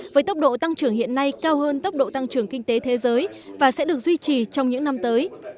với tốc độ tăng trưởng hiện nay cao hơn tốc độ tăng trưởng kinh tế thế giới và sẽ được duy trì trong những năm tới